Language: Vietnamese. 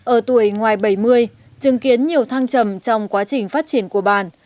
ở tuổi ngoài bảy mươi chứng kiến nhiều thăng trầm trong quá trình phát triển của bản